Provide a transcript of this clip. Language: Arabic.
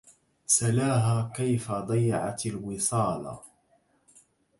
سلاها كيف ضيعت الوصالا